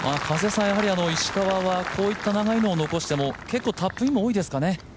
石川はこういった長いのを残しても結構タップインも多いですかね？